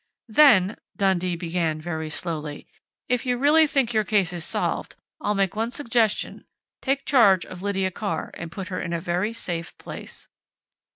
"Then," Dundee began very slowly, "if you really think your case is solved, I'll make one suggestion: take charge of Lydia Carr and put her in a very safe place."